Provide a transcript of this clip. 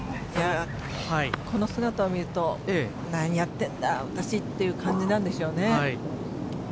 この姿を見ると何やってるんだ、私という感じなんですよね。